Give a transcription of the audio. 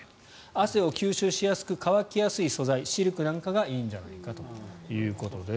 汗を吸収しやすく乾きやすい素材シルクなんかがいいんじゃないかということです。